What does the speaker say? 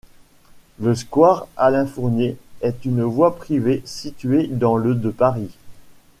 Le square Alain-Fournier est une voie privée située dans le de Paris.